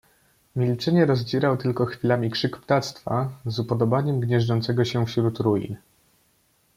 "Milczenie rozdzierał tylko chwilami krzyk ptactwa, z upodobaniem gnieżdżącego się wśród ruin."